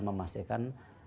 terima kasih sekali